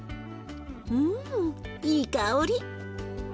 うんいい香り！